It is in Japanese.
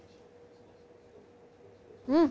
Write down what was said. うん！